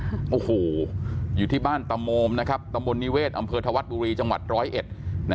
โอ้โหอยู่ที่บ้านตะโมมนะครับตำบลนิเวศอำเภอธวัดบุรีจังหวัดร้อยเอ็ด